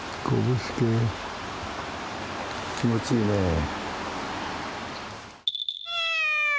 気持ちいいねえ。